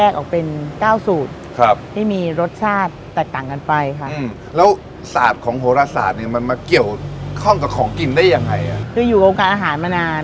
ของโหรศาสตร์เนี่ยมันมาเกี่ยวข้องกับของกินได้ยังไงอ่ะคืออยู่กับองค์การอาหารมานาน